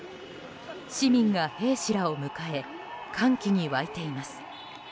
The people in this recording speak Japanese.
市民が兵士らを迎え歓喜に沸いています。